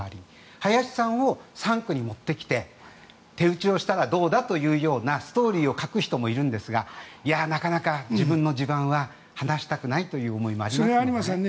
林さんを３区に持ってきて手打ちをしたらどうだというようなストーリーを書く人もいるんですがなかなか自分の地盤は放したくないという思いもありますよね。